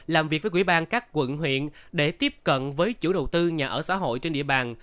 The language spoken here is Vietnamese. làm việc với quỹ ban các quận huyện để tiếp cận với chủ đầu tư nhà ở xã hội trên địa bàn